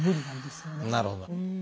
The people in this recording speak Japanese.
なるほど。